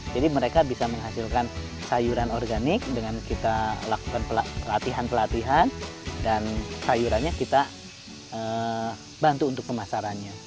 jadi mereka bisa menghasilkan sayuran organik dengan kita lakukan pelatihan pelatihan dan sayurannya kita bantu untuk pemasarannya